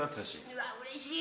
うわ、うれしい！